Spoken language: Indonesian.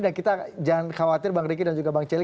dan kita jangan khawatir bang riki dan juga bang celi